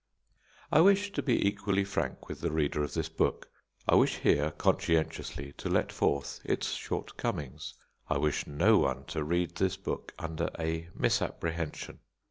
I wish to be equally frank with the reader of this book. I wish here conscientiously to let forth its shortcomings. I wish no one to read this book under a misapprehension.